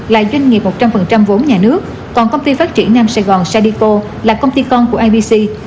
là doanh nghiệp một trăm linh vốn nhà nước còn công ty phát triển nam sài gòn sadeco là công ty con của ibc